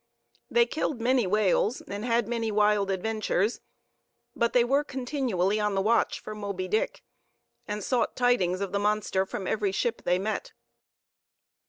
They killed many whales, and had many wild adventures; but they were continually on the watch for Moby Dick, and sought tidings of the monster from every ship they met.